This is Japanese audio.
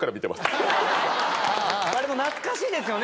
あれも懐かしいですよね。